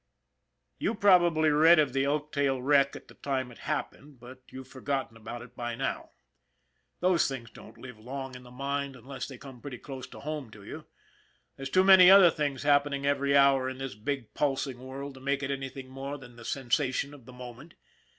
You probably read of the Elktail wreck at the time it happened, but you've forgotten about it by now. Those things don't live long in the mind unless they come pretty close home to you ; there's too many other things happening every hour in this big pulsing world to make it anything more than the sensation of the moment.